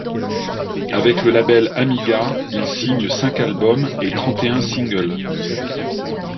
Avec le label Amiga, il signe cinq albums et trente-et-un singles.